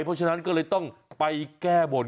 เพราะฉะนั้นก็เลยต้องไปแก้บน